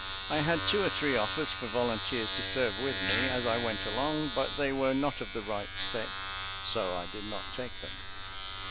I had two or three offers for volunteers to serve with me as I went along; but they were not of the right sex, so I did not take them.